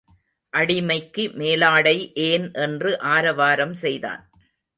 அடிமைக்கு மேலாடை ஏன் என்று ஆரவாரம் செய்தான்.